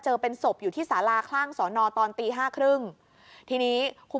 เป็นศพอยู่ที่สาราข้างสอนอตอนตีห้าครึ่งทีนี้คุณ